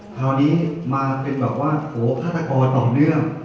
คราวนี้มาเป็นแบบว่าโหฆาตกรต่อเนื่อง